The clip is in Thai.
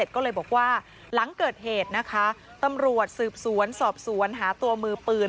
ก็เลยบอกว่าหลังเกิดเหตุนะคะตำรวจสืบสวนสอบสวนหาตัวมือปืน